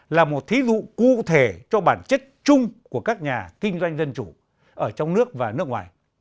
là một thí dụ cụ thể cho bản chất chung của các nhà kinh doanh dân chủ ở trong nước và nước ngoài